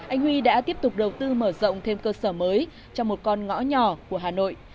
anh huy đã tiếp tục đầu tư mở rộng thêm cơ sở mới cho một con ngõ nhỏ của hà nội